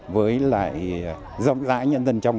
với lại rộng rãi